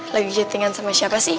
lagi chattingan sama siapa sih